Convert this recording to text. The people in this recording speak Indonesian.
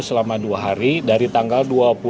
selama dua hari dari tanggal